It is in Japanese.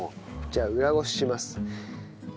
じゃあ裏漉しします。